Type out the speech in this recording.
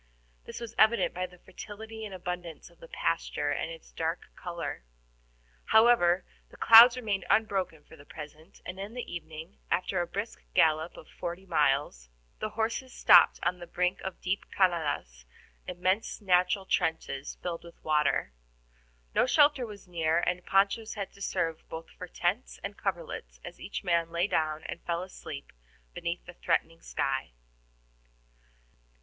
This was evident by the fertility and abundance of the pasture and its dark color. However, the clouds remained unbroken for the present, and in the evening, after a brisk gallop of forty miles, the horses stopped on the brink of deep CANADAS, immense natural trenches filled with water. No shelter was near, and ponchos had to serve both for tents and coverlets as each man lay down and fell asleep beneath the threatening sky.